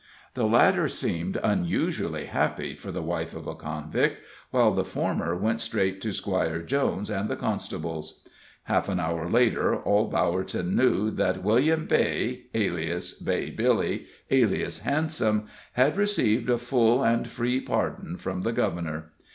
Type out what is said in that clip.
The latter seemed unusually happy for the wife of a convict, while the former went straight to Squire Jones and the constable's. Half an hour later all Bowerton knew that William Beigh, alias Bay Billy, alias Handsome, had received a full and free pardon from the Governor.